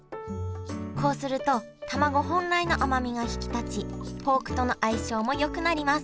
こうするとたまご本来の甘みが引き立ちポークとの相性もよくなります